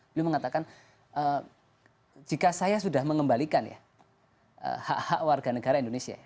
beliau mengatakan jika saya sudah mengembalikan ya hak hak warga negara indonesia